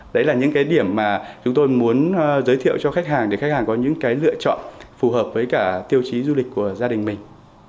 đấy là những cái điểm mà chúng tôi muốn giới thiệu cho khách hàng để khách hàng có những cái lựa chọn phù hợp với cả tiêu chí du lịch của gia đình mình